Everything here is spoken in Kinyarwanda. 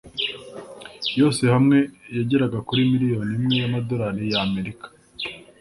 yose hamwe yageraga kuri miliyoni imwe y’amadolari y’Amerika